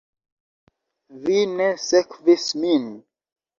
Vi ne sekvis min.